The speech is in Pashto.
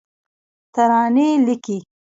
ترانې لیکې